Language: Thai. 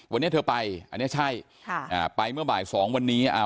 วันนี้เธอไปอันนี้ใช่ไปเมื่อบ่าย๒วันนี้